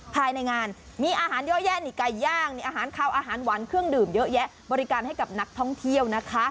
ภายในงานมีอาหารเยอะแย่ไหนไกไย่่างอาหารขาวบริการให้กับนักท่องเที่ยว